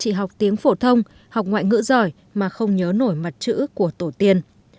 chỉ học tiếng phổ thông học ngoại ngữ giỏi mà không nhớ nổi mặt chữ của tổ tiên